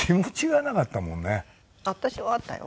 私はあったよ。